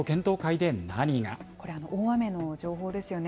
これ、大雨の情報ですよね。